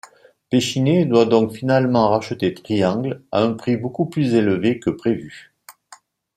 Pechiney doit donc finalement racheter Triangle à un prix beaucoup plus élevé que prévu.